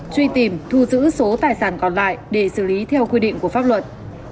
truy tìm thu giữ số tài sản còn lại để xử lý theo quy định của pháp luật